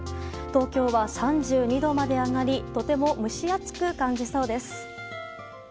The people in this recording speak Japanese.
東京は３２度まで上がりとても蒸し暑く感じそうです。